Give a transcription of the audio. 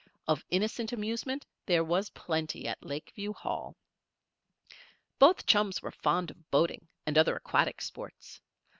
Of innocent amusement there was plenty at Lakeview Hall. Both chums were fond of boating and other aquatic sports.